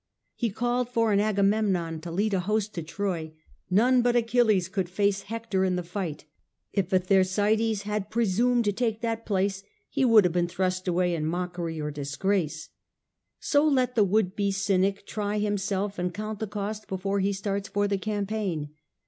It called for an Agamemnon to lead a host to Troy ; none but Achilles could face Hector in the fight ; if a Ther sites had presumed to take that place, he would have been thrust away in mockery or disgrace. So let the would be Cynic try himself, and count the cost before he starts for the campaign.